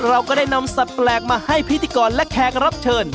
เราก็ได้นำสัตว์แปลกมาให้พิธีกรและแขกรับเชิญ